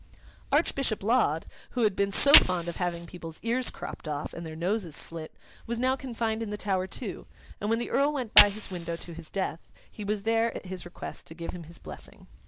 Archbishop Laud, who had been so fond of having people's ears cropped off and their noses slit, was now confined in the Tower too; and when the Earl went by his window to his death, he was there, at his request, to give him his blessing.